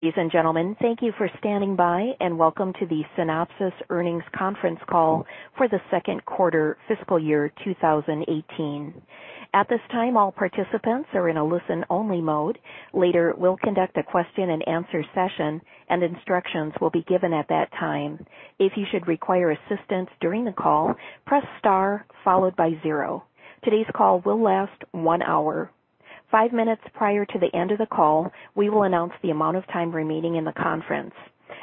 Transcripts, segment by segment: Ladies and gentlemen, thank you for standing by, and welcome to the Synopsys earnings conference call for the second quarter fiscal year 2018. At this time, all participants are in a listen-only mode. Later, we'll conduct a question and answer session, and instructions will be given at that time. If you should require assistance during the call, press star followed by zero. Today's call will last one hour. Five minutes prior to the end of the call, we will announce the amount of time remaining in the conference.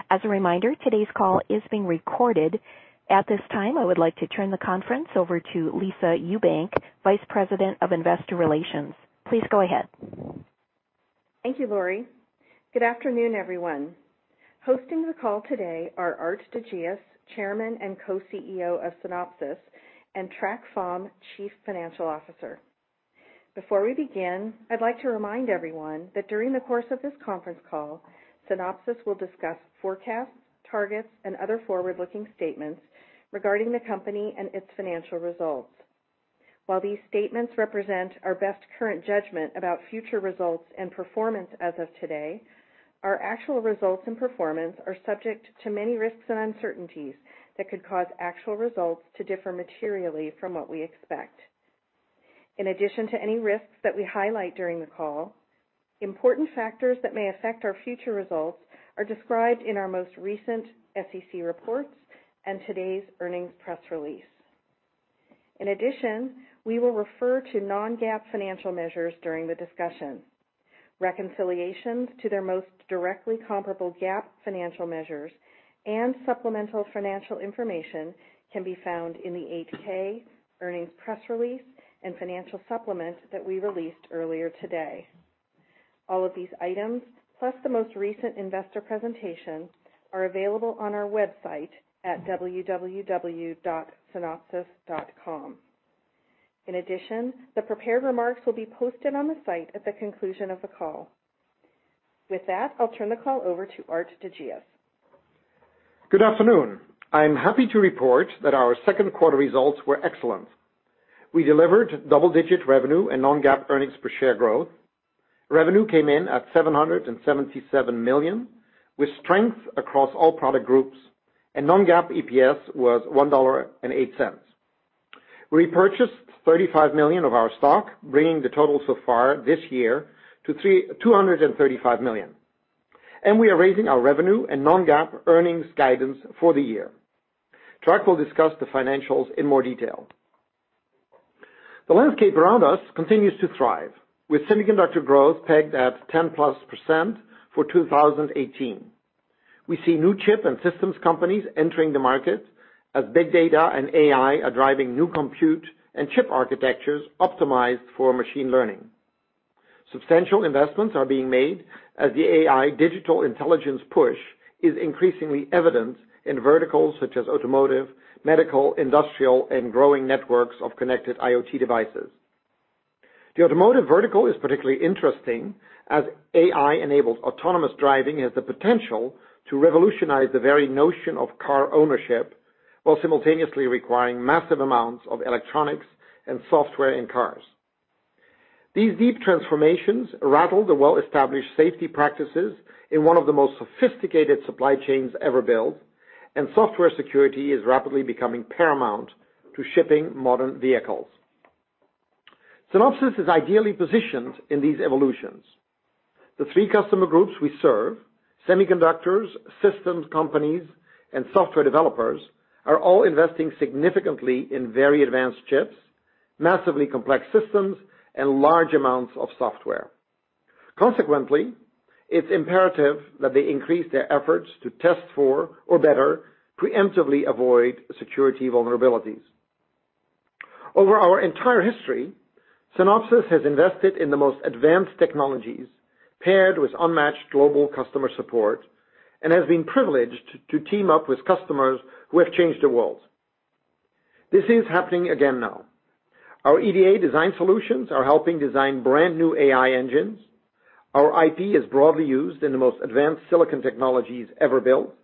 As a reminder, today's call is being recorded. At this time, I would like to turn the conference over to Lisa Ewbank, Vice President of Investor Relations. Please go ahead. Thank you, Lori. Good afternoon, everyone. Hosting the call today are Aart de Geus, Chairman and Co-CEO of Synopsys, and Trac Pham, Chief Financial Officer. Before we begin, I'd like to remind everyone that during the course of this conference call, Synopsys will discuss forecasts, targets, and other forward-looking statements regarding the company and its financial results. While these statements represent our best current judgment about future results and performance as of today, our actual results and performance are subject to many risks and uncertainties that could cause actual results to differ materially from what we expect. In addition to any risks that we highlight during the call, important factors that may affect our future results are described in our most recent SEC reports and today's earnings press release. In addition, we will refer to non-GAAP financial measures during the discussion. Reconciliations to their most directly comparable GAAP financial measures and supplemental financial information can be found in the 8-K, earnings press release, and financial supplement that we released earlier today. All of these items, plus the most recent investor presentation, are available on our website at www.synopsys.com. In addition, the prepared remarks will be posted on the site at the conclusion of the call. With that, I'll turn the call over to Aart de Geus. Good afternoon. I'm happy to report that our second quarter results were excellent. We delivered double-digit revenue and non-GAAP earnings per share growth. Revenue came in at $777 million, with strength across all product groups. Non-GAAP EPS was $1.08. We repurchased $35 million of our stock, bringing the total so far this year to $235 million. We are raising our revenue and non-GAAP earnings guidance for the year. Trac will discuss the financials in more detail. The landscape around us continues to thrive, with semiconductor growth pegged at 10%+ for 2018. We see new chip and systems companies entering the market as big data and AI are driving new compute and chip architectures optimized for machine learning. Substantial investments are being made as the AI digital intelligence push is increasingly evident in verticals such as automotive, medical, industrial, and growing networks of connected IoT devices. The automotive vertical is particularly interesting as AI-enabled autonomous driving has the potential to revolutionize the very notion of car ownership while simultaneously requiring massive amounts of electronics and software in cars. These deep transformations rattle the well-established safety practices in one of the most sophisticated supply chains ever built, and software security is rapidly becoming paramount to shipping modern vehicles. Synopsys is ideally positioned in these evolutions. The three customer groups we serve, semiconductors, systems companies, and software developers, are all investing significantly in very advanced chips, massively complex systems, and large amounts of software. Consequently, it's imperative that they increase their efforts to test for or better, preemptively avoid security vulnerabilities. Over our entire history, Synopsys has invested in the most advanced technologies paired with unmatched global customer support and has been privileged to team up with customers who have changed the world. This is happening again now. Our EDA design solutions are helping design brand-new AI engines. Our IP is broadly used in the most advanced silicon technologies ever built.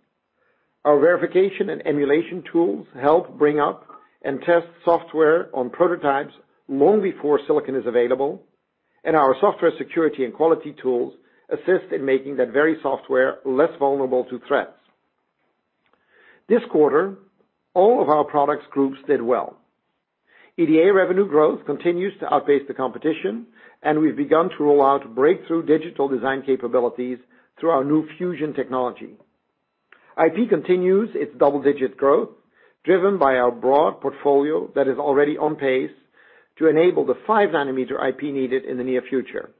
Our verification and emulation tools help bring up and test software on prototypes long before silicon is available, and our software security and quality tools assist in making that very software less vulnerable to threats. This quarter, all of our products groups did well. EDA revenue growth continues to outpace the competition, and we've begun to roll out breakthrough digital design capabilities through our new Fusion Technology. IP continues its double-digit growth, driven by our broad portfolio that is already on pace to enable the 5 nm IP needed in the near future.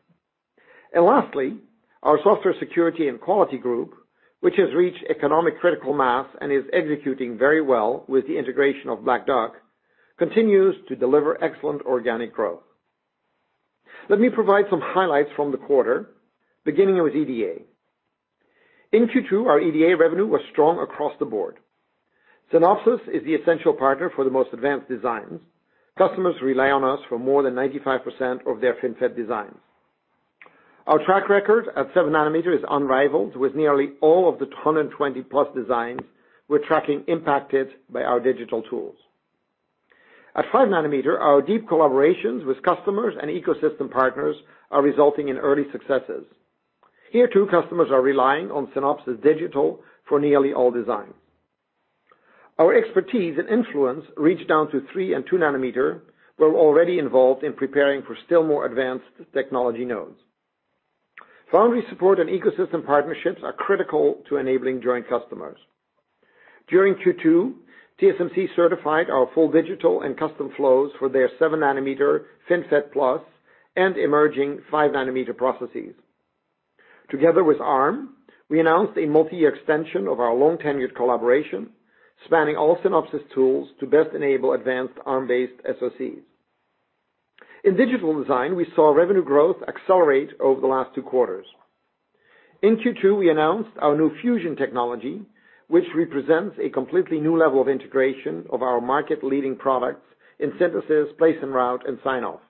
Lastly, our software security and quality group, which has reached economic critical mass and is executing very well with the integration of Black Duck, continues to deliver excellent organic growth. Let me provide some highlights from the quarter, beginning with EDA. In Q2, our EDA revenue was strong across the board. Synopsys is the essential partner for the most advanced designs. Customers rely on us for more than 95% of their FinFET designs. Our track record at 7 nm is unrivaled, with nearly all of the 220+ designs we're tracking impacted by our digital tools. At 5 nm, our deep collaborations with customers and ecosystem partners are resulting in early successes. Here too, customers are relying on Synopsys Digital for nearly all designs. Our expertise and influence reach down to 3 nm and 2 nm. We're already involved in preparing for still more advanced technology nodes. Foundry support and ecosystem partnerships are critical to enabling joint customers. During Q2, TSMC certified our full digital and custom flows for their 7 nm FinFET Plus and emerging 5 nm processes. Together with Arm, we announced a multi-year extension of our long-tenured collaboration, spanning all Synopsys tools to best enable advanced Arm-based SoCs. In digital design, we saw revenue growth accelerate over the last two quarters. In Q2, we announced our new Fusion Technology, which represents a completely new level of integration of our market-leading products in synthesis, place and route, and sign-off.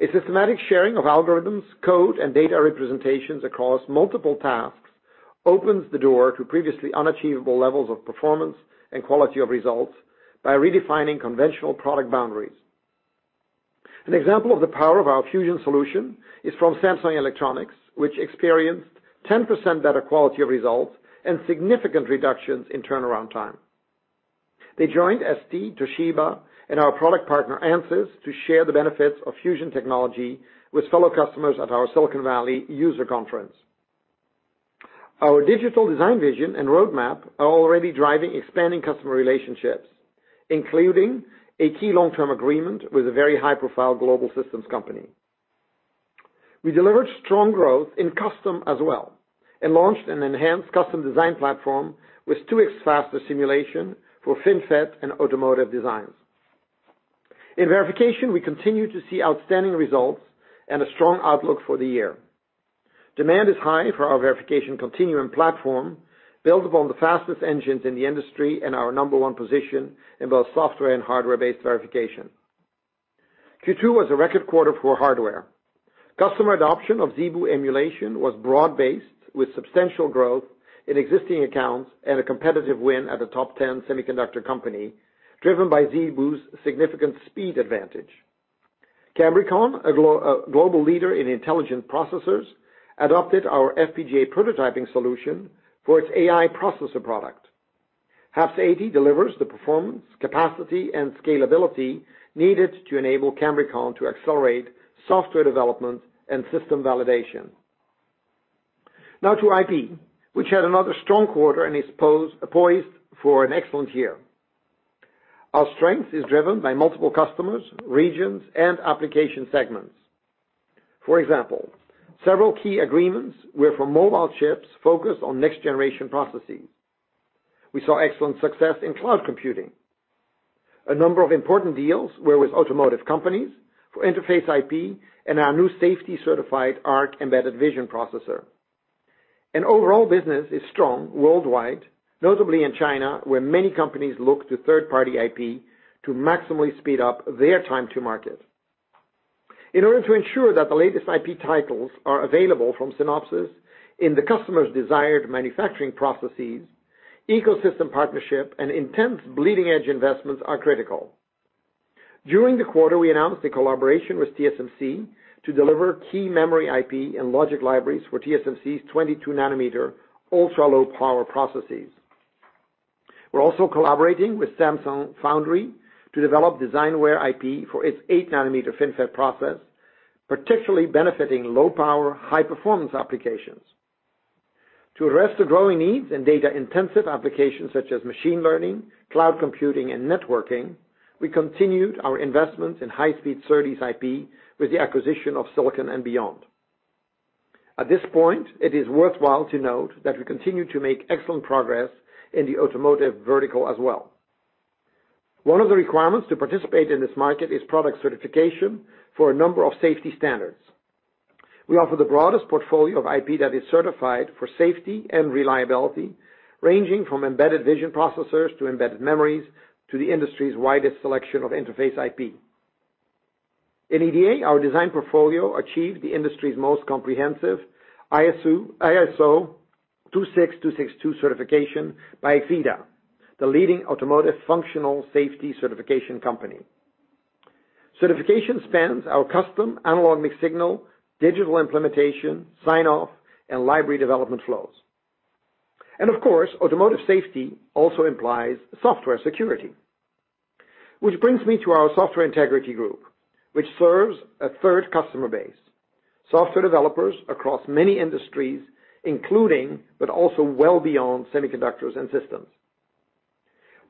A systematic sharing of algorithms, code, and data representations across multiple tasks opens the door to previously unachievable levels of performance and quality of results by redefining conventional product boundaries. An example of the power of our Fusion solution is from Samsung Electronics, which experienced 10% better quality of results and significant reductions in turnaround time. They joined ST, Toshiba, and our product partner, Ansys, to share the benefits of Fusion Technology with fellow customers at our Silicon Valley user conference. Our digital design vision and roadmap are already driving expanding customer relationships, including a key long-term agreement with a very high-profile global systems company. We delivered strong growth in custom as well and launched an enhanced custom design platform with 2x faster simulation for FinFET and automotive designs. In verification, we continue to see outstanding results and a strong outlook for the year. Demand is high for our Verification Continuum platform, built upon the fastest engines in the industry and our number one position in both software and hardware-based verification. Q2 was a record quarter for hardware. Customer adoption of ZeBu emulation was broad-based with substantial growth in existing accounts and a competitive win at a top 10 semiconductor company, driven by ZeBu's significant speed advantage. Cambricon, a global leader in intelligent processors, adopted our FPGA prototyping solution for its AI processor product. HAPS-80 delivers the performance, capacity, and scalability needed to enable Cambricon to accelerate software development and system validation. Now to IP, which had another strong quarter and is poised for an excellent year. Our strength is driven by multiple customers, regions, and application segments. For example, several key agreements were for mobile chips focused on next-generation processing. We saw excellent success in cloud computing. A number of important deals were with automotive companies for interface IP and our new safety certified ARC embedded vision processor. Overall business is strong worldwide, notably in China, where many companies look to third-party IP to maximally speed up their time to market. In order to ensure that the latest IP titles are available from Synopsys in the customer's desired manufacturing processes, ecosystem partnership and intense bleeding-edge investments are critical. During the quarter, we announced a collaboration with TSMC to deliver key memory IP and logic libraries for TSMC's 22 nm ultra-low power processes. We are also collaborating with Samsung Foundry to develop DesignWare IP for its 8 nm FinFET process, particularly benefiting low-power, high-performance applications. To address the growing needs in data-intensive applications such as machine learning, cloud computing, and networking, we continued our investment in high-speed SerDes IP with the acquisition of Silicon and Beyond. At this point, it is worthwhile to note that we continue to make excellent progress in the automotive vertical as well. One of the requirements to participate in this market is product certification for a number of safety standards. We offer the broadest portfolio of IP that is certified for safety and reliability, ranging from embedded vision processors to embedded memories, to the industry's widest selection of interface IP. In EDA, our design portfolio achieved the industry's most comprehensive ISO 26262 certification by exida, the leading automotive functional safety certification company. Certification spans our custom analog mixed signal, digital implementation, sign-off, and library development flows. Of course, automotive safety also implies software security. Which brings me to our Software Integrity Group, which serves a third customer base, software developers across many industries, including, but also well beyond semiconductors and systems.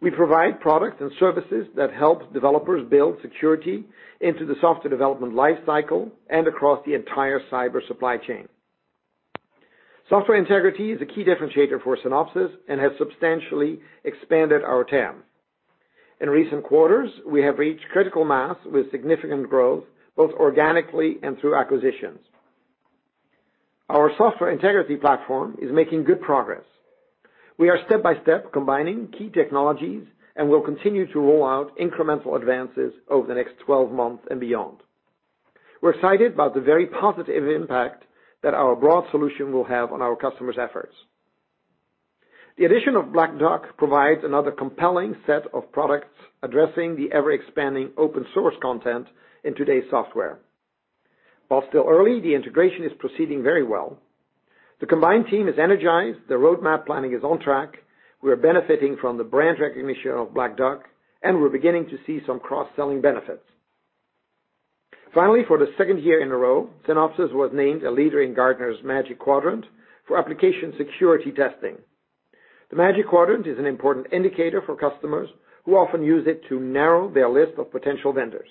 We provide products and services that help developers build security into the software development life cycle and across the entire cyber supply chain. Software Integrity is a key differentiator for Synopsys and has substantially expanded our TAM. In recent quarters, we have reached critical mass with significant growth both organically and through acquisitions. Our Software Integrity platform is making good progress. We are step by step combining key technologies and will continue to roll out incremental advances over the next 12 months and beyond. We're excited about the very positive impact that our broad solution will have on our customers' efforts. The addition of Black Duck provides another compelling set of products addressing the ever-expanding open source content in today's software. While still early, the integration is proceeding very well. The combined team is energized. The roadmap planning is on track. We are benefiting from the brand recognition of Black Duck, and we're beginning to see some cross-selling benefits. Finally, for the second year in a row, Synopsys was named a leader in Gartner's Magic Quadrant for application security testing. The Magic Quadrant is an important indicator for customers who often use it to narrow their list of potential vendors.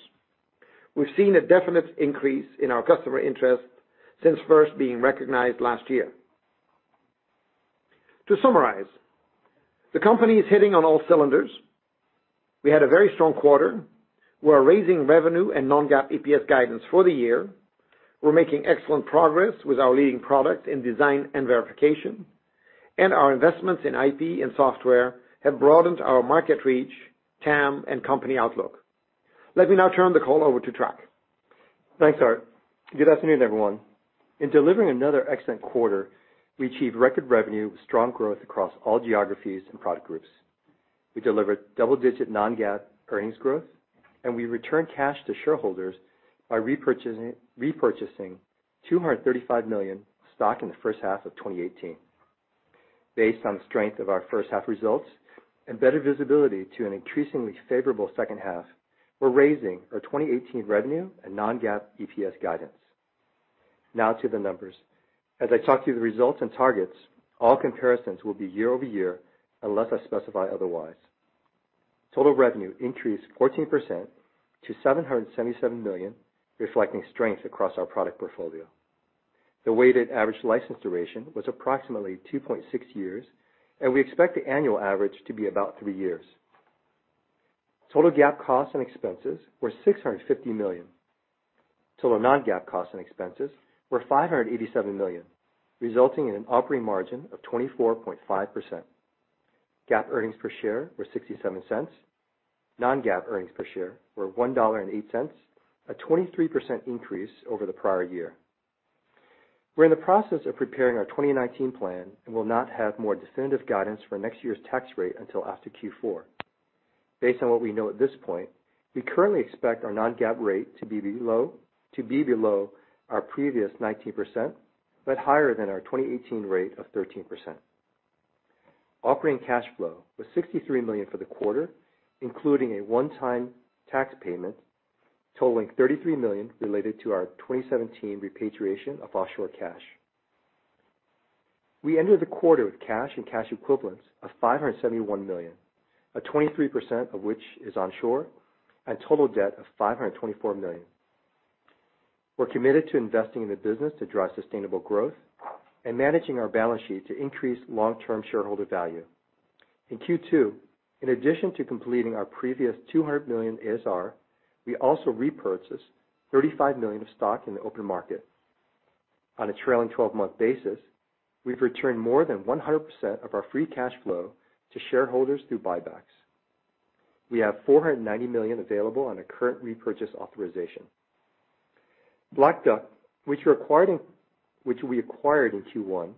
We've seen a definite increase in our customer interest since first being recognized last year. To summarize, the company is hitting on all cylinders. We had a very strong quarter. We're raising revenue and non-GAAP EPS guidance for the year. We're making excellent progress with our leading product in design and verification, and our investments in IP and software have broadened our market reach, TAM, and company outlook. Let me now turn the call over to Trac. Thanks, Aart. Good afternoon, everyone. In delivering another excellent quarter, we achieved record revenue with strong growth across all geographies and product groups. We delivered double-digit non-GAAP earnings growth. We returned cash to shareholders by repurchasing $235 million stock in the first half of 2018. Based on the strength of our first half results and better visibility to an increasingly favorable second half, we're raising our 2018 revenue and non-GAAP EPS guidance. Now to the numbers. As I talk through the results and targets, all comparisons will be year-over-year unless I specify otherwise. Total revenue increased 14% to $777 million, reflecting strength across our product portfolio. The weighted average license duration was approximately 2.6 years, and we expect the annual average to be about three years. Total GAAP costs and expenses were $650 million. Total non-GAAP costs and expenses were $587 million, resulting in an operating margin of 24.5%. GAAP earnings per share were $0.67. Non-GAAP earnings per share were $1.08, a 23% increase over the prior year. We're in the process of preparing our 2019 plan and will not have more definitive guidance for next year's tax rate until after Q4. Based on what we know at this point, we currently expect our non-GAAP rate to be below our previous 19%, but higher than our 2018 rate of 13%. Operating cash flow was $63 million for the quarter, including a one-time tax payment totaling $33 million related to our 2017 repatriation of offshore cash. We ended the quarter with cash and cash equivalents of $571 million, 23% of which is onshore, and total debt of $524 million. We're committed to investing in the business to drive sustainable growth and managing our balance sheet to increase long-term shareholder value. In Q2, in addition to completing our previous $200 million ASR, we also repurchased $35 million of stock in the open market. On a trailing 12-month basis, we've returned more than 100% of our free cash flow to shareholders through buybacks. We have $490 million available on a current repurchase authorization. Black Duck, which we acquired in Q1,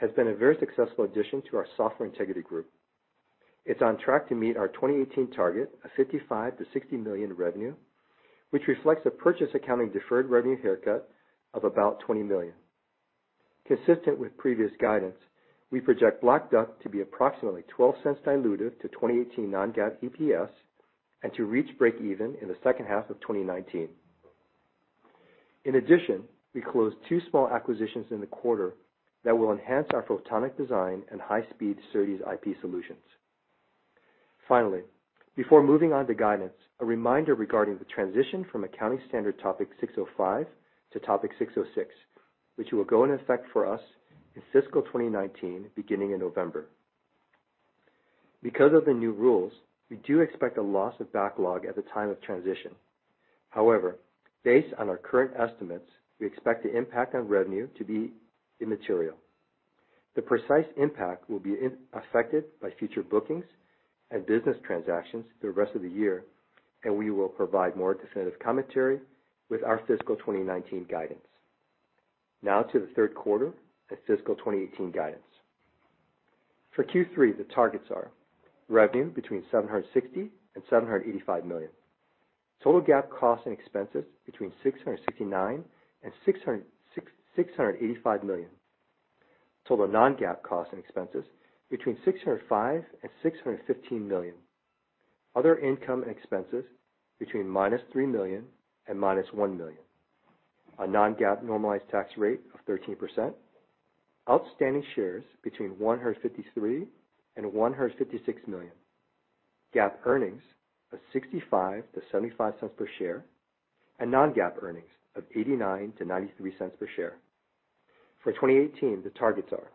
has been a very successful addition to our Software Integrity Group. It's on track to meet our 2018 target of $55 million-$60 million in revenue, which reflects a purchase accounting deferred revenue haircut of about $20 million. Consistent with previous guidance, we project Black Duck to be approximately $0.12 dilutive to 2018 non-GAAP EPS and to reach break even in the second half of 2019. In addition, we closed two small acquisitions in the quarter that will enhance our photonic design and high-speed SerDes IP solutions. Finally, before moving on to guidance, a reminder regarding the transition from Accounting Standard Topic 605 to Topic 606, which will go in effect for us in fiscal 2019, beginning in November. Because of the new rules, we do expect a loss of backlog at the time of transition. However, based on our current estimates, we expect the impact on revenue to be immaterial. The precise impact will be affected by future bookings and business transactions through the rest of the year. We will provide more definitive commentary with our fiscal 2019 guidance. Now to the third quarter and fiscal 2018 guidance. For Q3, the targets are revenue between $760 million and $785 million. Total GAAP costs and expenses between $669 million and $685 million. Total non-GAAP costs and expenses between $605 million and $615 million. Other income and expenses between -$3 million and -$1 million. A non-GAAP normalized tax rate of 13%. Outstanding shares between 153 million and 156 million. GAAP earnings of $0.65-$0.75 per share, and non-GAAP earnings of $0.89-$0.93 per share. For 2018, the targets are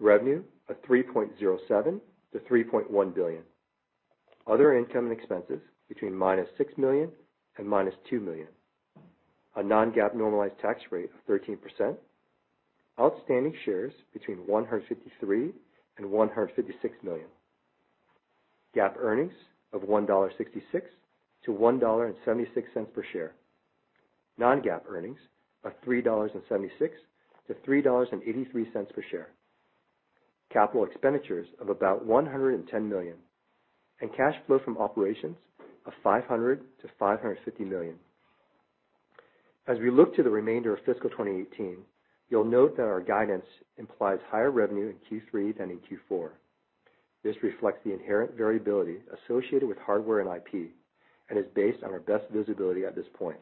revenue of $3.07 billion-$3.1 billion. Other income and expenses between -$6 million and -$2 million. A non-GAAP normalized tax rate of 13%. Outstanding shares between 153 million and 156 million. GAAP earnings of $1.66-$1.76 per share. Non-GAAP earnings of $3.76-$3.83 per share. Capital expenditures of about $110 million, and cash flow from operations of $500 million-$550 million. As we look to the remainder of fiscal 2018, you'll note that our guidance implies higher revenue in Q3 than in Q4. This reflects the inherent variability associated with hardware and IP, and is based on our best visibility at this point.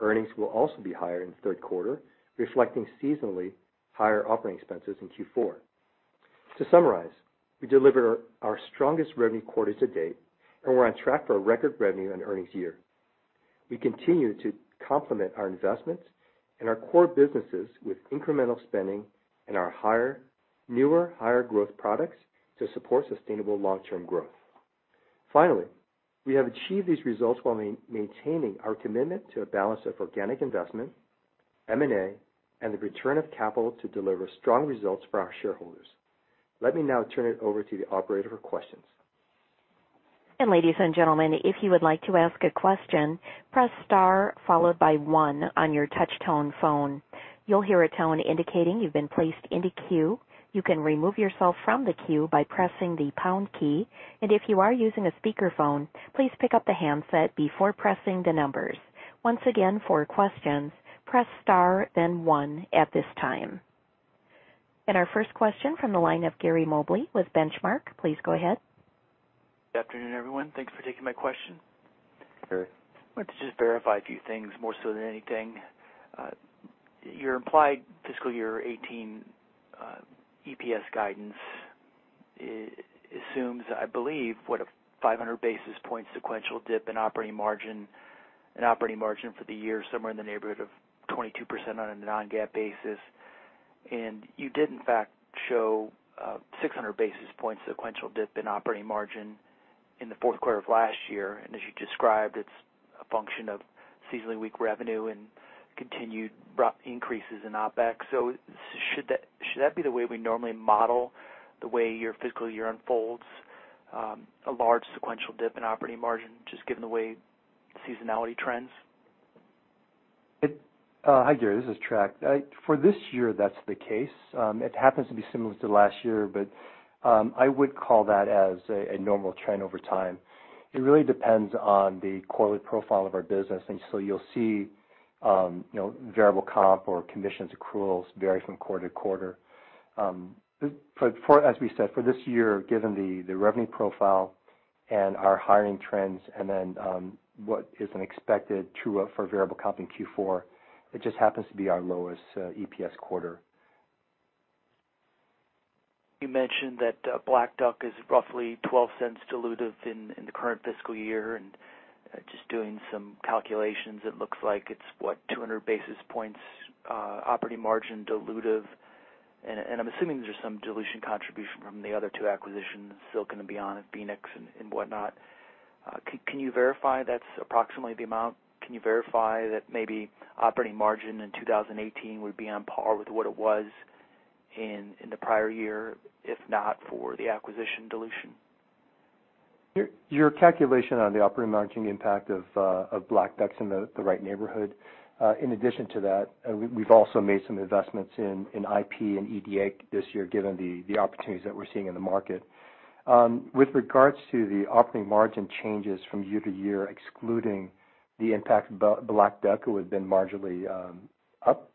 Earnings will also be higher in the third quarter, reflecting seasonally higher operating expenses in Q4. To summarize, we delivered our strongest revenue quarter to date, and we're on track for a record revenue and earnings year. We continue to complement our investments in our core businesses with incremental spending in our newer, higher growth products to support sustainable long-term growth. Finally, we have achieved these results while maintaining our commitment to a balance of organic investment, M&A, and the return of capital to deliver strong results for our shareholders. Let me now turn it over to the operator for questions. Ladies and gentlemen, if you would like to ask a question, press star followed by one on your touch tone phone. You'll hear a tone indicating you've been placed into queue. You can remove yourself from the queue by pressing the pound key. If you are using a speakerphone, please pick up the handset before pressing the numbers. Once again, for questions, press star, then one at this time. Our first question from the line of Gary Mobley with Benchmark. Please go ahead. Good afternoon, everyone. Thanks for taking my question. Sure. I wanted to just verify a few things more so than anything. Your implied fiscal year 2018 EPS guidance assumes, I believe, what, a 500 basis point sequential dip in operating margin for the year, somewhere in the neighborhood of 22% on a non-GAAP basis. You did in fact show a 600 basis point sequential dip in operating margin in the fourth quarter of last year. As you described, it's a function of seasonally weak revenue and continued increases in OpEx. Should that be the way we normally model the way your fiscal year unfolds, a large sequential dip in operating margin, just given the way seasonality trends? Hi, Gary, this is Trac. For this year, that's the case. It happens to be similar to last year, but I would call that as a normal trend over time. It really depends on the quarterly profile of our business, and so you'll see variable comp or commissions accruals vary from quarter to quarter. As we said, for this year, given the revenue profile and our hiring trends and then what is an expected true-up for variable comp in Q4, it just happens to be our lowest EPS quarter. You mentioned that Black Duck is roughly $0.12 dilutive in the current fiscal year, just doing some calculations, it looks like it's, what, 200 basis points operating margin dilutive. I'm assuming there's some dilution contribution from the other two acquisitions, Silicon and Beyond and PhoeniX and whatnot. Can you verify that's approximately the amount? Can you verify that maybe operating margin in 2018 would be on par with what it was in the prior year, if not for the acquisition dilution? Your calculation on the operating margin impact of Black Duck's in the right neighborhood. In addition to that, we've also made some investments in IP and EDA this year, given the opportunities that we're seeing in the market. With regards to the operating margin changes from year to year, excluding the impact of Black Duck, who had been marginally up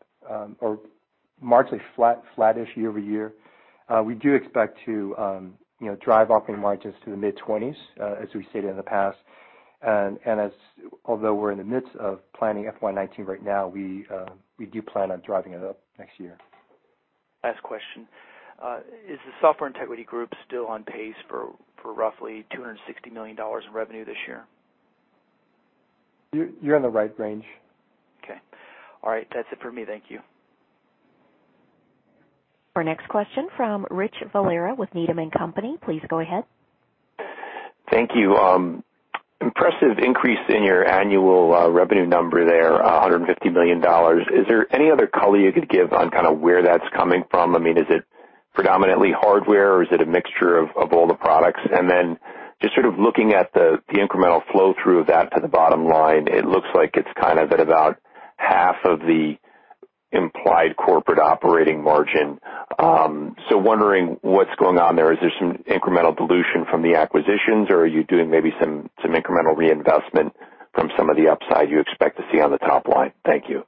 or marginally flat, flattish year-over-year, we do expect to drive operating margins to the mid-20s, as we've stated in the past. Although we're in the midst of planning FY 2019 right now, we do plan on driving it up next year. Last question. Is the Software Integrity Group still on pace for roughly $260 million in revenue this year? You're in the right range. Okay. All right. That's it for me. Thank you. Our next question from Rich Valera with Needham & Company. Please go ahead. Thank you. Impressive increase in your annual revenue number there, $150 million. Is there any other color you could give on kind of where that's coming from? Is it predominantly hardware, or is it a mixture of all the products? Just sort of looking at the incremental flow through of that to the bottom line, it looks like it's kind of at about half of the implied corporate operating margin. Wondering what's going on there. Is there some incremental dilution from the acquisitions, or are you doing maybe some incremental reinvestment from some of the upside you expect to see on the top line? Thank you.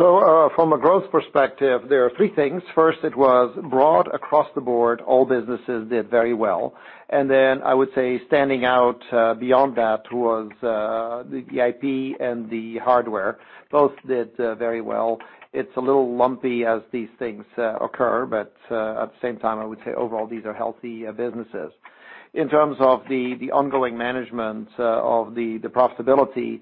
From a growth perspective, there are three things. First, it was broad across the board. All businesses did very well. I would say standing out beyond that was the IP and the hardware. Both did very well. It's a little lumpy as these things occur, but at the same time, I would say overall, these are healthy businesses. In terms of the ongoing management of the profitability,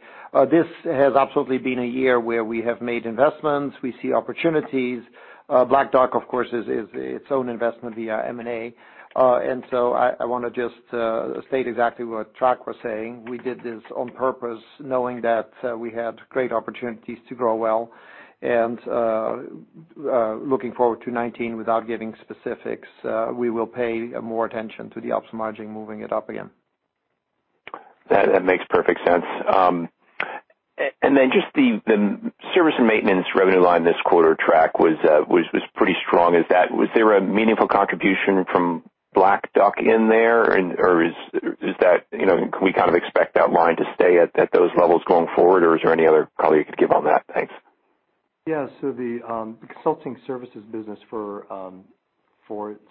this has absolutely been a year where we have made investments. We see opportunities. Black Duck, of course, is its own investment via M&A. I want to just state exactly what Trac was saying. We did this on purpose knowing that we had great opportunities to grow well. Looking forward to 2019 without giving specifics, we will pay more attention to the ops margin, moving it up again. That makes perfect sense. Just the service and maintenance revenue line this quarter, Trac, was pretty strong. Was there a meaningful contribution from Black Duck in there? Can we expect that line to stay at those levels going forward, or is there any other color you could give on that? Thanks. Yes. The consulting services business for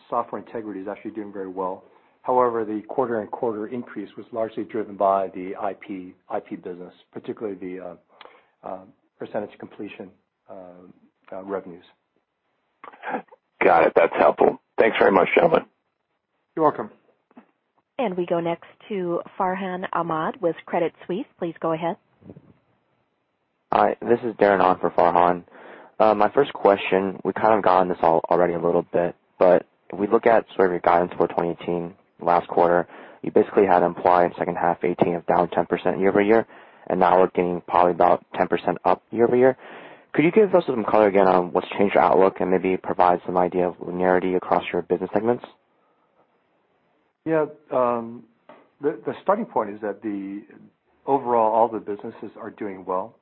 Software Integrity Group is actually doing very well. However, the quarter-on-quarter increase was largely driven by the IP business, particularly the percentage completion revenues. Got it. That's helpful. Thanks very much, gentlemen. You're welcome. We go next to Farhan Ahmad with Credit Suisse. Please go ahead. Hi. This is Darren on for Farhan. My first question, we kind of gone this already a little bit. If we look at sort of your guidance for 2018 last quarter, you basically had implied second half 2018 of down 10% year-over-year, and now we're getting probably about 10% up year-over-year. Could you give us some color again on what's changed your outlook and maybe provide some idea of linearity across your business segments? Yeah. The starting point is that overall, all the businesses are doing well,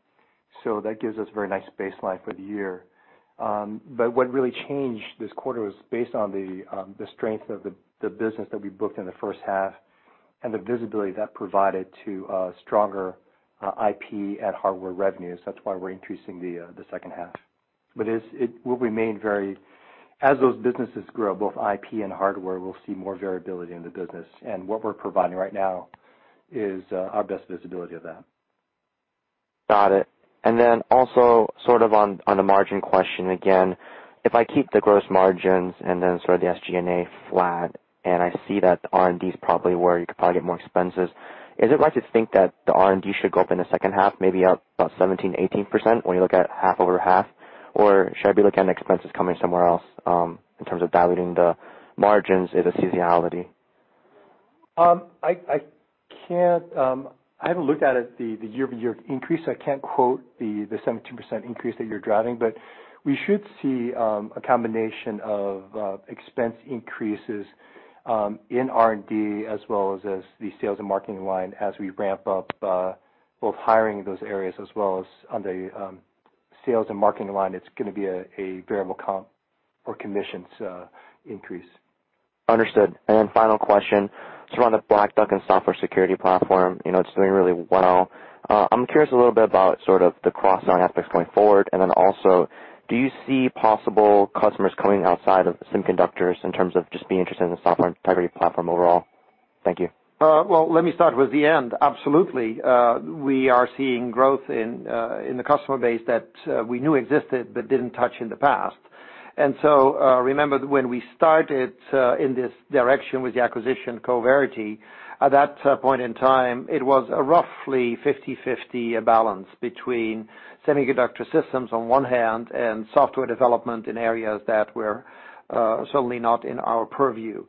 that gives us very nice baseline for the year. What really changed this quarter was based on the strength of the business that we booked in the first half and the visibility that provided to stronger IP and hardware revenues. That's why we're increasing the second half. As those businesses grow, both IP and hardware, we'll see more variability in the business. What we're providing right now is our best visibility of that. Got it. Also sort of on the margin question again, if I keep the gross margins and sort of the SG&A flat, and I see that the R&D is probably where you could probably get more expenses, is it right to think that the R&D should go up in the second half, maybe up about 17%-18% when you look at half over half? Should I be looking at expenses coming somewhere else, in terms of diluting the margins as a seasonality? I haven't looked at it, the year-over-year increase. I can't quote the 17% increase that you're driving, but we should see a combination of expense increases in R&D as well as the sales and marketing line as we ramp up both hiring in those areas as well as on the sales and marketing line, it's going to be a variable comp or commissions increase. Understood. Final question, sort of on the Black Duck and software security platform. It's doing really well. I'm curious a little bit about sort of the cross-sell aspects going forward, also, do you see possible customers coming outside of semiconductors in terms of just being interested in the Software Integrity platform overall? Thank you. Well, let me start with the end. Absolutely. We are seeing growth in the customer base that we knew existed but didn't touch in the past. Remember when we started in this direction with the acquisition, Coverity, at that point in time, it was a roughly 50/50 balance between semiconductor systems on one hand, and software development in areas that were certainly not in our purview.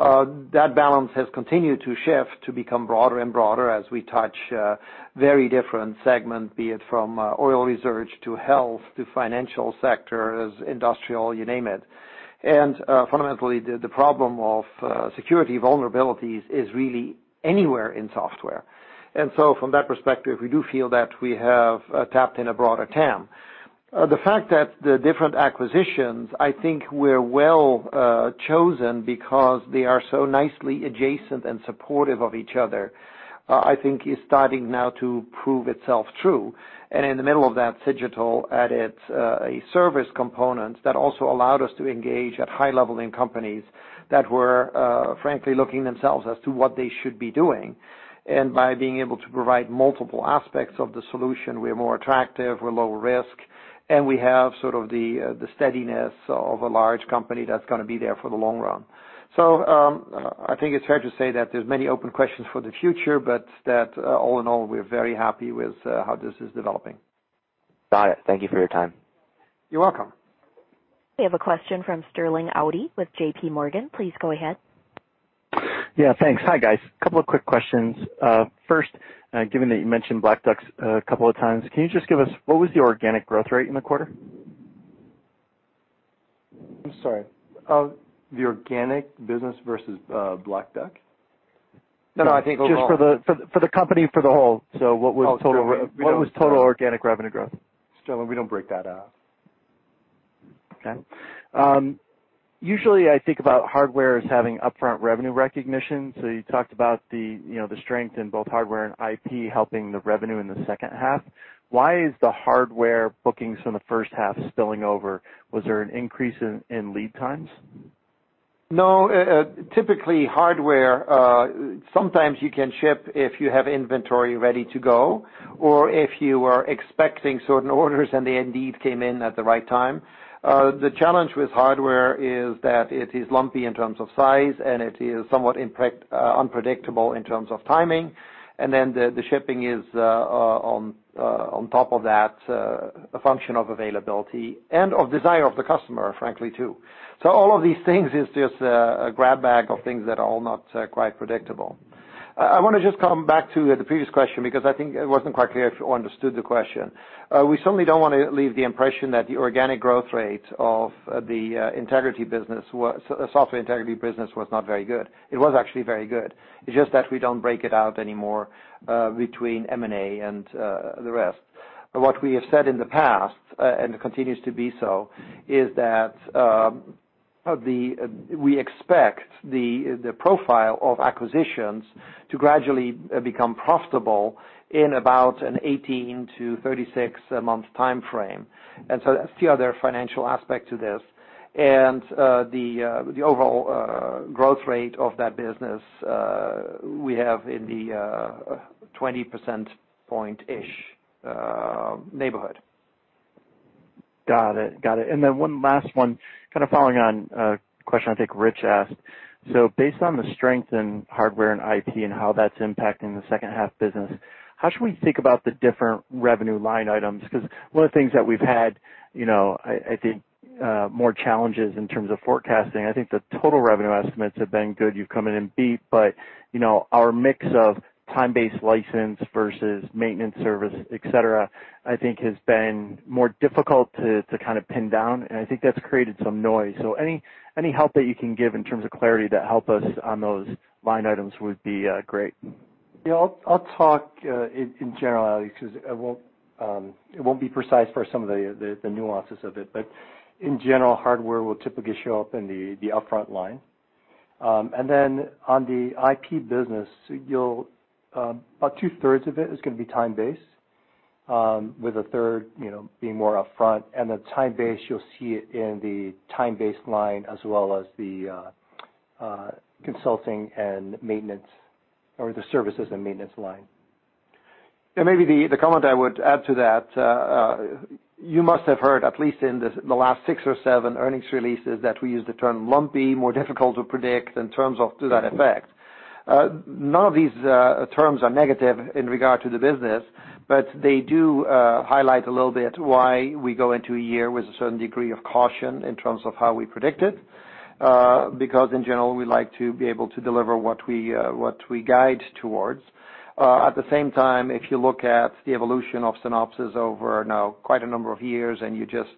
That balance has continued to shift to become broader and broader as we touch very different segment, be it from oil reserves to health to financial sectors, industrial, you name it. Fundamentally, the problem of security vulnerabilities is really anywhere in software. From that perspective, we do feel that we have tapped in a broader TAM. The fact that the different acquisitions, I think were well chosen because they are so nicely adjacent and supportive of each other, I think is starting now to prove itself true. In the middle of that, Cigital added a service component that also allowed us to engage at high leveling companies that were frankly looking themselves as to what they should be doing. By being able to provide multiple aspects of the solution, we're more attractive, we're lower risk, and we have sort of the steadiness of a large company that's going to be there for the long run. I think it's fair to say that there's many open questions for the future, but that all in all, we're very happy with how this is developing. Got it. Thank you for your time. You're welcome. We have a question from Sterling Auty with JPMorgan. Please go ahead. Yeah, thanks. Hi, guys. Couple of quick questions. First, given that you mentioned Black Duck a couple of times, can you just give us what was the organic growth rate in the quarter? I'm sorry. The organic business versus Black Duck? I think just for the company, for the whole. What was total organic revenue growth? Sterling, we don't break that out. Usually I think about hardware as having upfront revenue recognition. You talked about the strength in both hardware and IP helping the revenue in the second half. Why is the hardware bookings from the first half spilling over? Was there an increase in lead times? No. Typically, hardware, sometimes you can ship if you have inventory ready to go or if you are expecting certain orders and they indeed came in at the right time. The challenge with hardware is that it is lumpy in terms of size, and it is somewhat unpredictable in terms of timing. The shipping is, on top of that, a function of availability and of desire of the customer, frankly, too. All of these things is just a grab bag of things that are all not quite predictable. I want to just come back to the previous question because I think it wasn't quite clear if you understood the question. We certainly don't want to leave the impression that the organic growth rate of the Software Integrity business was not very good. It was actually very good. It's just that we don't break it out anymore between M&A and the rest. What we have said in the past, and it continues to be so, is that we expect the profile of acquisitions to gradually become profitable in about an 18-36 month time frame. That's the other financial aspect to this. The overall growth rate of that business, we have in the 20%-point-ish neighborhood. Got it. One last one, kind of following on a question I think Rich asked. Based on the strength in hardware and IP and how that's impacting the second half business, how should we think about the different revenue line items? One of the things that we've had, I think, more challenges in terms of forecasting, I think the total revenue estimates have been good. You've come in and beat, but our mix of time-based license versus maintenance service, et cetera, I think has been more difficult to kind of pin down, and I think that's created some noise. Any help that you can give in terms of clarity to help us on those line items would be great. Yeah, I'll talk in general because it won't be precise for some of the nuances of it. In general, hardware will typically show up in the upfront line. On the IP business, about two-thirds of it is going to be time-based, with a third being more upfront. The time-based, you'll see it in the time-based line as well as the consulting and maintenance or the services and maintenance line. Maybe the comment I would add to that, you must have heard at least in the last six or seven earnings releases that we use the term lumpy, more difficult to predict, and terms off to that effect. None of these terms are negative in regard to the business, but they do highlight a little bit why we go into a year with a certain degree of caution in terms of how we predict it, because in general, we like to be able to deliver what we guide towards. At the same time, if you look at the evolution of Synopsys over now quite a number of years, and you just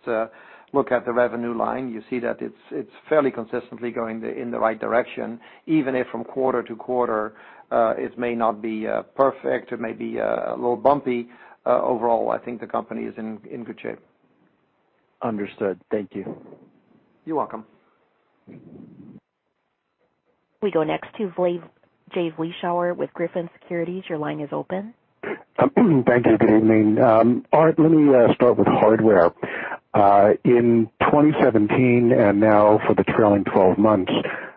look at the revenue line, you see that it's fairly consistently going in the right direction, even if from quarter to quarter, it may not be perfect, it may be a little bumpy. Overall, I think the company is in good shape. Understood. Thank you. You're welcome. We go next to Jay Vleeschhouwer with Griffin Securities. Your line is open. Thank you. Good evening. Aart, let me start with hardware. In 2017, and now for the trailing 12 months,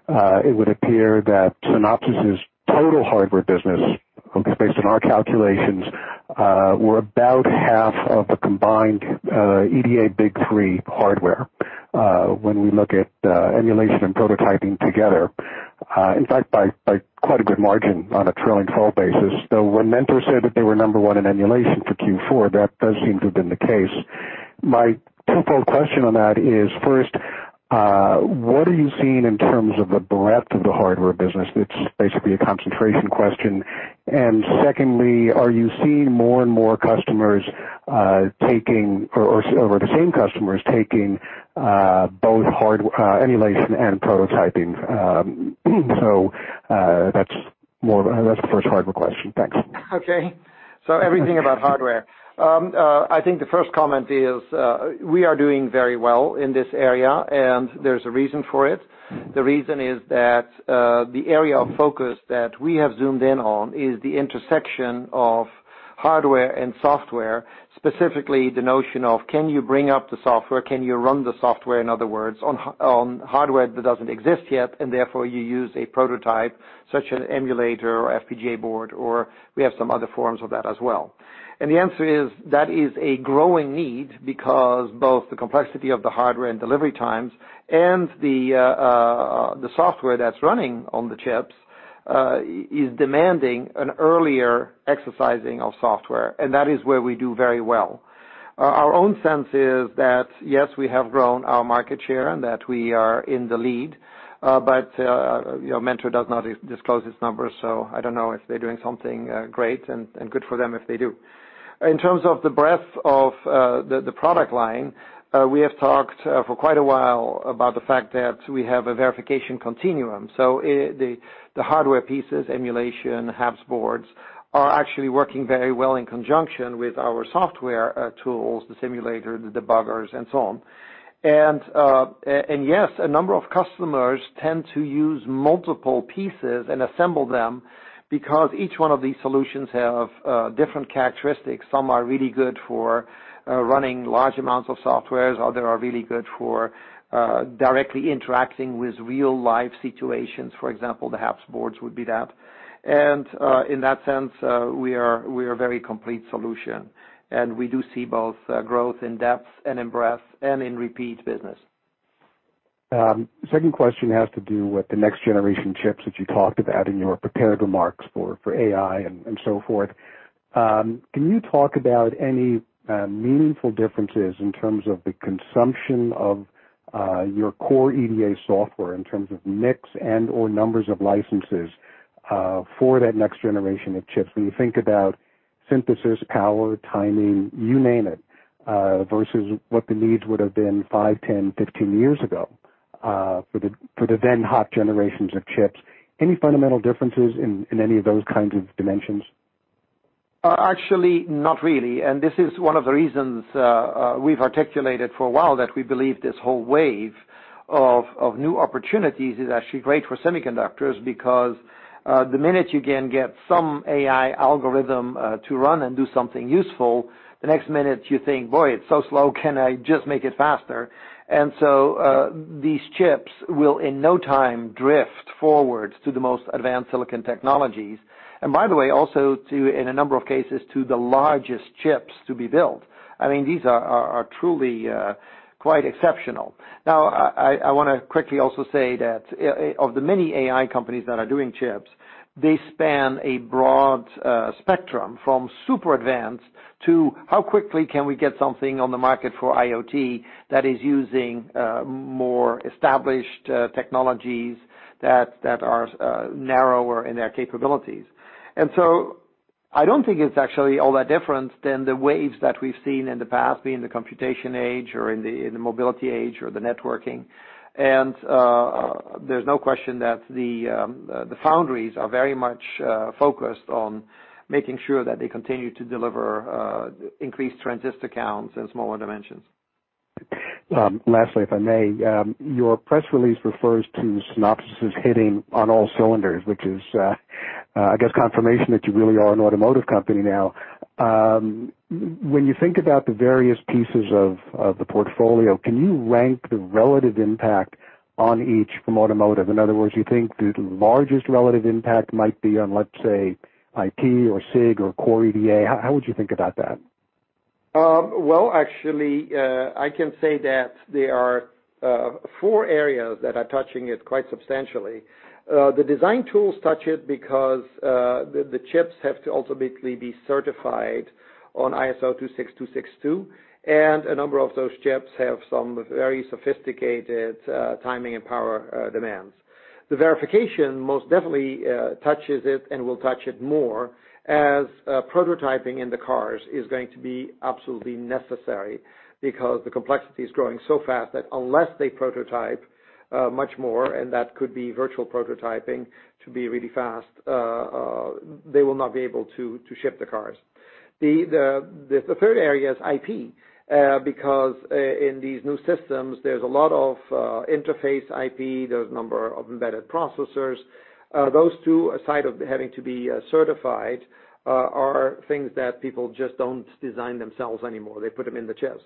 it would appear that Synopsys' total hardware business, at least based on our calculations, were about half of the combined EDA big three hardware. When we look at emulation and prototyping together, in fact, by quite a good margin on a trailing 12 basis, though when Mentor said that they were number one in emulation for Q4, that does seem to have been the case. My twofold question on that is, first, what are you seeing in terms of the breadth of the hardware business? It's basically a concentration question. Secondly, are you seeing more and more customers taking, or the same customers taking both emulation and prototyping? That's the first hardware question. Thanks. Okay. Everything about hardware. I think the first comment is, we are doing very well in this area, and there's a reason for it. The reason is that the area of focus that we have zoomed in on is the intersection of hardware and software, specifically the notion of can you bring up the software? Can you run the software, in other words, on hardware that doesn't exist yet, and therefore you use a prototype such as an emulator or FPGA board, or we have some other forms of that as well. The answer is, that is a growing need because both the complexity of the hardware and delivery times and the software that's running on the chips is demanding an earlier exercising of software, and that is where we do very well. Our own sense is that, yes, we have grown our market share and that we are in the lead. Mentor does not disclose its numbers, so I don't know if they're doing something great, and good for them if they do. In terms of the breadth of the product line, we have talked for quite a while about the fact that we have a Verification Continuum. The hardware pieces, emulation, HAPS boards, are actually working very well in conjunction with our software tools, the simulator, the debuggers, and so on. Yes, a number of customers tend to use multiple pieces and assemble them because each one of these solutions have different characteristics. Some are really good for running large amounts of software, others are really good for directly interacting with real-life situations. For example, the HAPS boards would be that. In that sense, we are a very complete solution, and we do see both growth in depth and in breadth and in repeat business. Second question has to do with the next-generation chips that you talked about in your prepared remarks for AI and so forth. Can you talk about any meaningful differences in terms of the consumption of your core EDA software in terms of mix and/or numbers of licenses for that next generation of chips when you think about synthesis, power, timing, you name it, versus what the needs would have been five, 10, 15 years ago for the then hot generations of chips? Any fundamental differences in any of those kinds of dimensions? Actually, not really. This is one of the reasons we've articulated for a while, that we believe this whole wave of new opportunities is actually great for semiconductors because the minute you can get some AI algorithm to run and do something useful, the next minute you think, boy, it's so slow. Can I just make it faster? These chips will, in no time, drift forward to the most advanced silicon technologies. By the way, also to, in a number of cases, to the largest chips to be built. These are truly quite exceptional. Now, I want to quickly also say that of the many AI companies that are doing chips, they span a broad spectrum from super advanced to how quickly can we get something on the market for IoT that is using more established technologies that are narrower in their capabilities. I don't think it's actually all that different than the waves that we've seen in the past, be it in the computation age or in the mobility age or the networking. There's no question that the foundries are very much focused on making sure that they continue to deliver increased transistor counts and smaller dimensions. Lastly, if I may. Your press release refers to Synopsys hitting on all cylinders, which is, I guess, confirmation that you really are an automotive company now. When you think about the various pieces of the portfolio, can you rank the relative impact on each from automotive? In other words, you think the largest relative impact might be on, let's say, IP or SIG or Core EDA? How would you think about that? Well, actually, I can say that there are four areas that are touching it quite substantially. The design tools touch it because the chips have to ultimately be certified on ISO 26262, and a number of those chips have some very sophisticated timing and power demands. The verification most definitely touches it and will touch it more as prototyping in the cars is going to be absolutely necessary because the complexity is growing so fast that unless they prototype much more, and that could be virtual prototyping to be really fast, they will not be able to ship the cars. The third area is IP, because in these new systems, there's a lot of interface IP, there's a number of embedded processors. Those two, aside of having to be certified, are things that people just don't design themselves anymore. They put them in the chips.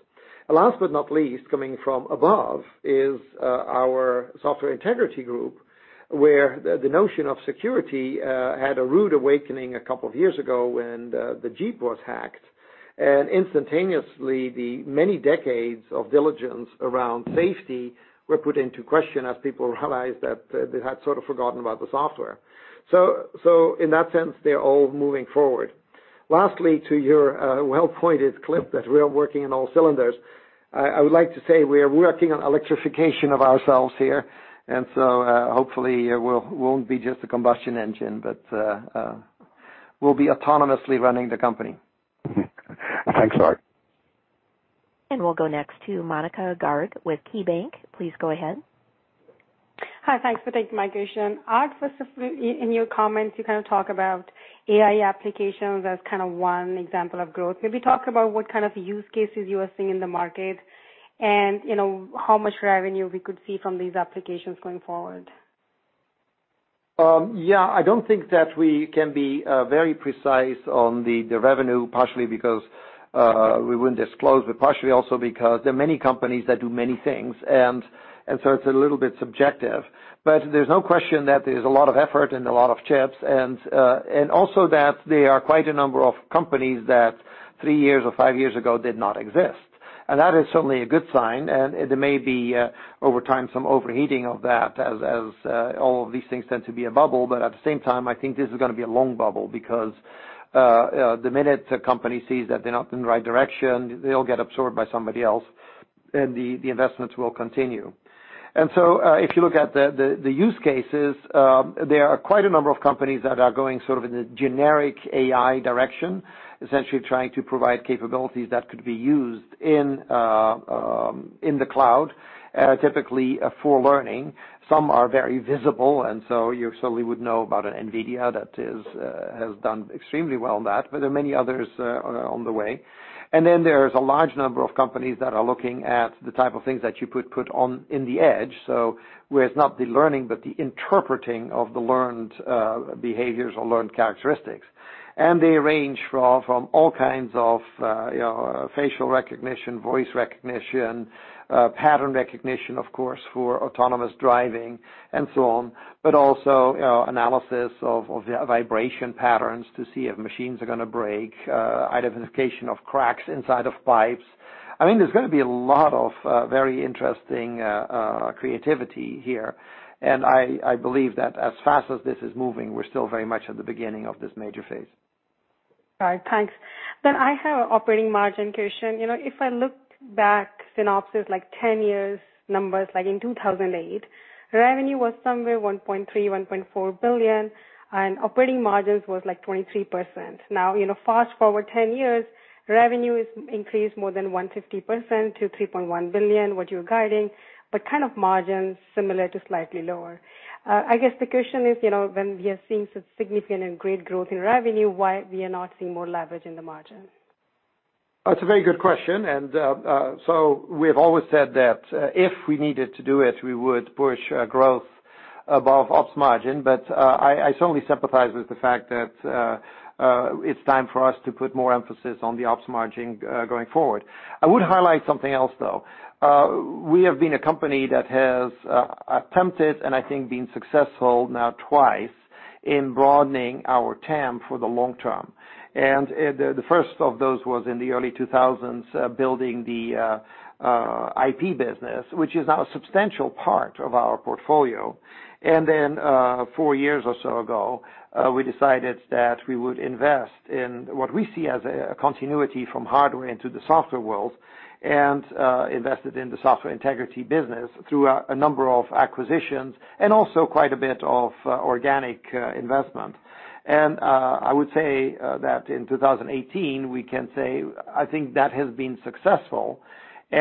Last but not least, coming from above is our Software Integrity Group, where the notion of security had a rude awakening a couple of years ago when the Jeep was hacked, and instantaneously the many decades of diligence around safety were put into question as people realized that they had sort of forgotten about the software. In that sense, they're all moving forward. Lastly, to your well-pointed clip that we are working on all cylinders, I would like to say we are working on electrification of ourselves here, and so hopefully it won't be just a combustion engine, but we'll be autonomously running the company. Thanks, Aart. We'll go next to Monika Garg with KeyBanc. Please go ahead. Hi. Thanks for taking my question. Aart, specifically in your comments, you kind of talk about AI applications as one example of growth. Can you talk about what kind of use cases you are seeing in the market and how much revenue we could see from these applications going forward? Yeah. I don't think that we can be very precise on the revenue, partially because we wouldn't disclose, but partially also because there are many companies that do many things, and so it's a little bit subjective. There's no question that there's a lot of effort and a lot of chips, and also that there are quite a number of companies that three years or five years ago did not exist. That is certainly a good sign. There may be, over time, some overheating of that as all of these things tend to be a bubble. At the same time, I think this is going to be a long bubble because the minute a company sees that they're not in the right direction, they'll get absorbed by somebody else and the investments will continue. If you look at the use cases, there are quite a number of companies that are going sort of in the generic AI direction, essentially trying to provide capabilities that could be used in the cloud, typically for learning. Some are very visible, and so you certainly would know about an NVIDIA that has done extremely well in that, but there are many others on the way. There's a large number of companies that are looking at the type of things that you could put on in the edge, so where it's not the learning, but the interpreting of the learned behaviors or learned characteristics. They range from all kinds of facial recognition, voice recognition, pattern recognition, of course, for autonomous driving and so on, but also analysis of vibration patterns to see if machines are going to break, identification of cracks inside of pipes. There's going to be a lot of very interesting creativity here, and I believe that as fast as this is moving, we're still very much at the beginning of this major phase. All right. Thanks. I have an operating margin question. If I look back Synopsys like 10 years numbers, in 2008, revenue was somewhere $1.3 billion-$1.4 billion, and operating margins was like 23%. Now, fast-forward 10 years, revenue is increased more than 150% to $3.1 billion, what you're guiding, but kind of margins similar to slightly lower. I guess the question is, when we are seeing such significant and great growth in revenue, why we are not seeing more leverage in the margin? That's a very good question. We have always said that if we needed to do it, we would push growth above ops margin. I certainly sympathize with the fact that it's time for us to put more emphasis on the ops margin going forward. I would highlight something else, though. We have been a company that has attempted, and I think been successful now twice, in broadening our TAM for the long term. The first of those was in the early 2000s, building the IP business, which is now a substantial part of our portfolio. Four years or so ago, we decided that we would invest in what we see as a continuity from hardware into the software world, and invested in the Software Integrity business through a number of acquisitions and also quite a bit of organic investment. I would say that in 2018, we can say I think that has been successful. We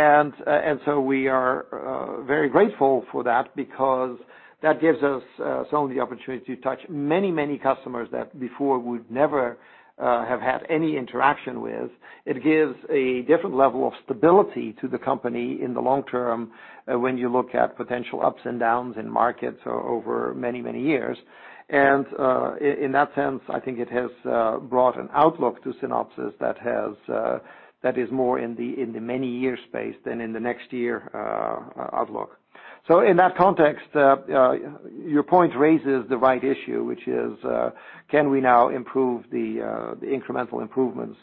are very grateful for that because that gives us certainly the opportunity to touch many, many customers that before would never have had any interaction with. It gives a different level of stability to the company in the long term when you look at potential ups and downs in markets over many years. In that sense, I think it has brought an outlook to Synopsys that is more in the many-year space than in the next year outlook. In that context, your point raises the right issue, which is can we now improve the incremental improvements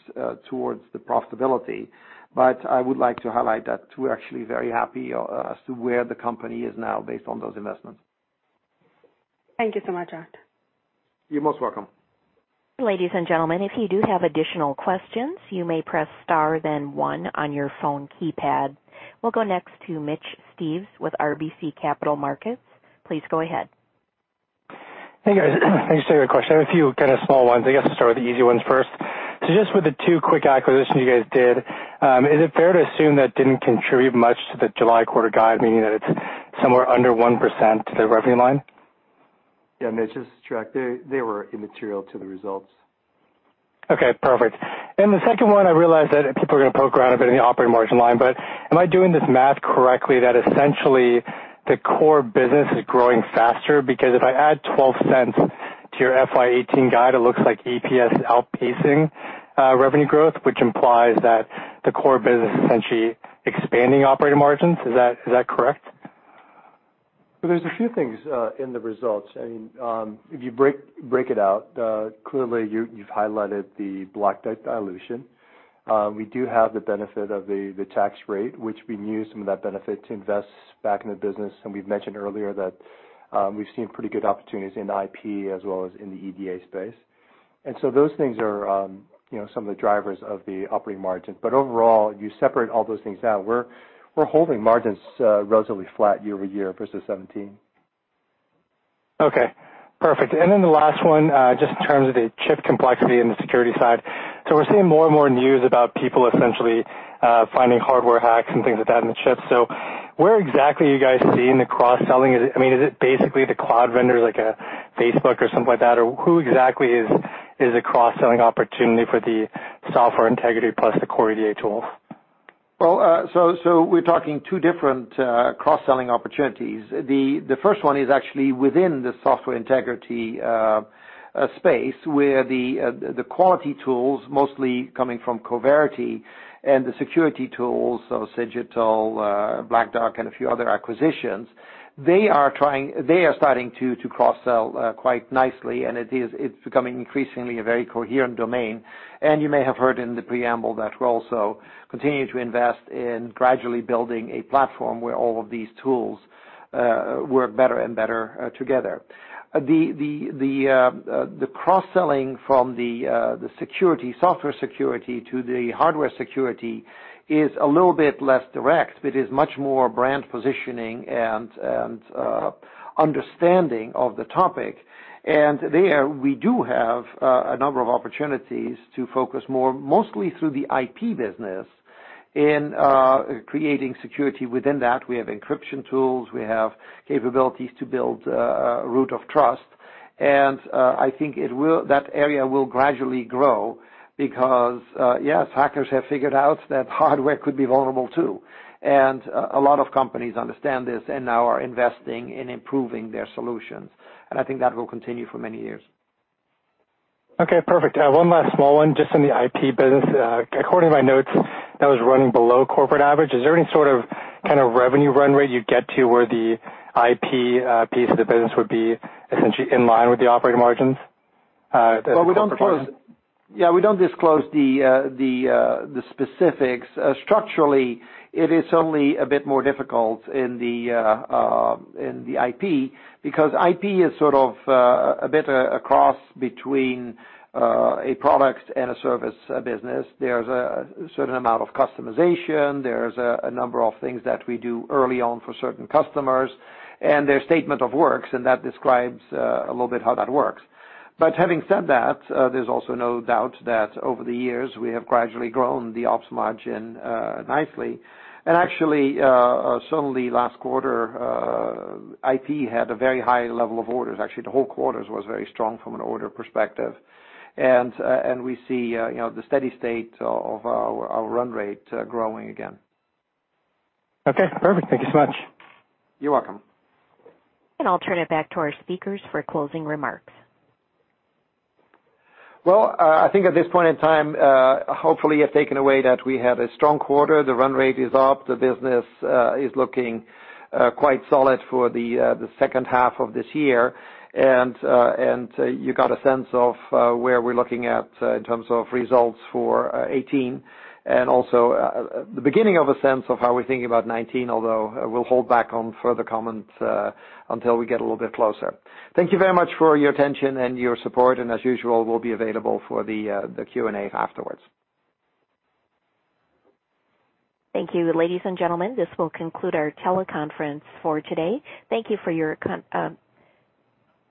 towards the profitability? I would like to highlight that we're actually very happy as to where the company is now based on those investments. Thank you so much, Aart. You're most welcome. Ladies and gentlemen, if you do have additional questions, you may press star then one on your phone keypad. We'll go next to Mitch Steves with RBC Capital Markets. Please go ahead. Hey, guys. Thanks for taking the question. I have a few kind of small ones. I guess I'll start with the easy ones first. Just with the two quick acquisitions you guys did, is it fair to assume that didn't contribute much to the July quarter guide, meaning that it's somewhere under 1% to the revenue line? Yeah, Mitch, that's correct. They were immaterial to the results. Okay, perfect. The second one, I realize that people are going to poke around a bit in the operating margin line, but am I doing this math correctly that essentially the core business is growing faster? If I add $0.12 to your FY 2018 guide, it looks like EPS outpacing revenue growth, which implies that the core business is essentially expanding operating margins. Is that correct? There's a few things in the results. If you break it out, clearly you've highlighted the Black Duck dilution. We do have the benefit of the tax rate, which we can use some of that benefit to invest back in the business, and we've mentioned earlier that we've seen pretty good opportunities in IP as well as in the EDA space. Those things are some of the drivers of the operating margin. Overall, you separate all those things out, we're holding margins relatively flat year-over-year versus 2017. Okay, perfect. The last one, just in terms of the chip complexity and the security side. We're seeing more and more news about people essentially finding hardware hacks and things like that in the chips. Where exactly are you guys seeing the cross-selling? Is it basically the cloud vendors like a Facebook or something like that, or who exactly is a cross-selling opportunity for the Software Integrity plus the core EDA tool? Well, we're talking two different cross-selling opportunities. The first one is actually within the Software Integrity space, where the quality tools, mostly coming from Coverity, and the security tools, Cigital, Black Duck, and a few other acquisitions, they are starting to cross-sell quite nicely, and it's becoming increasingly a very coherent domain. You may have heard in the preamble that we're also continuing to invest in gradually building a platform where all of these tools work better and better together. The cross-selling from the software security to the hardware security is a little bit less direct, but is much more brand positioning and understanding of the topic. There we do have a number of opportunities to focus more, mostly through the IP business, in creating security within that. We have encryption tools, we have capabilities to build a root of trust, and I think that area will gradually grow because, yes, hackers have figured out that hardware could be vulnerable, too. A lot of companies understand this and now are investing in improving their solutions, and I think that will continue for many years. Okay, perfect. One last small one, just on the IP business. According to my notes, that was running below corporate average. Is there any sort of revenue run rate you'd get to where the IP piece of the business would be essentially in line with the operating margins that you talked about? Yeah, we don't disclose the specifics. Structurally, it is certainly a bit more difficult in the IP, because IP is sort of a bit a cross between a product and a service business. There's a certain amount of customization, there's a number of things that we do early on for certain customers, and there's statement of works, and that describes a little bit how that works. Having said that, there's also no doubt that over the years, we have gradually grown the ops margin nicely. Actually, certainly last quarter, IP had a very high level of orders. Actually, the whole quarter was very strong from an order perspective. We see the steady state of our run rate growing again. Okay, perfect. Thank you so much. You're welcome. I'll turn it back to our speakers for closing remarks. Well, I think at this point in time, hopefully you've taken away that we had a strong quarter. The run rate is up. The business is looking quite solid for the second half of this year. You got a sense of where we're looking at in terms of results for 2018, and also the beginning of a sense of how we're thinking about 2019, although we'll hold back on further comment until we get a little bit closer. Thank you very much for your attention and your support, as usual, we'll be available for the Q&A afterwards. Thank you. Ladies and gentlemen, this will conclude our teleconference for today. Thank you for your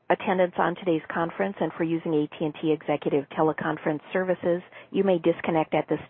attendance on today's conference and for using AT&T Executive Teleconference Services. You may disconnect at this time.